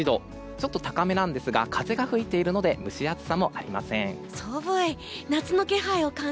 ちょっと高めなんですが風が吹いているので蒸し暑さもありません。